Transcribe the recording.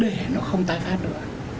để nó không tái phát nữa